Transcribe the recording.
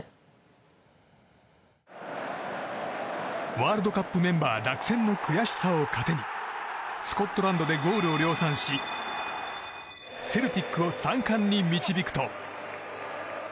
ワールドカップメンバー落選の悔しさを糧にスコットランドでゴールを量産しセルティックを３冠に導くと。